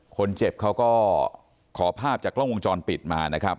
คนเจ็บเขาก็ขอภาพจากกล้องวงจรปิดมานะครับ